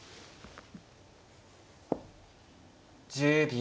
１０秒。